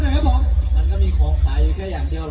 จะบอกว่าเพิ่งตกมานะครับ